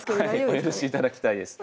お許しいただきたいです。